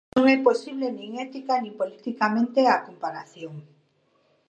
Non é posible, nin ética nin politicamente, a comparación.